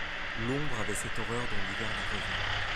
L'ombre avait cette horreur dont l'hiver la revêt ;